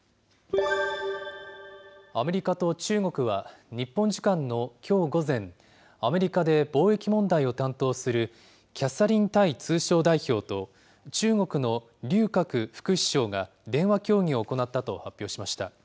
アメリカと中国は、日本時間のきょう午前、アメリカで貿易問題を担当するキャサリン・タイ通商代表と、中国の劉鶴副首相が電話協議を行ったと発表しました。